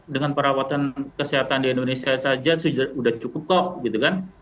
dengan perawatan kesehatan di indonesia saja sudah cukup kok gitu kan